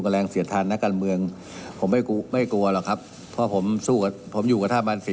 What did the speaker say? และเหรอไปดูจะเคลือดไหมอะไรต่าง